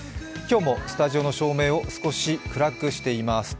今日もスタジオの照明を少し暗くしています。